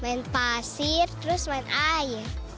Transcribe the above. main pasir terus main air